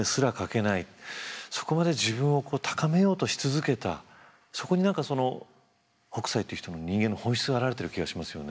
そこまで自分を高めようとし続けたそこに何かその北斎という人の人間の本質が表れてる気がしますよね。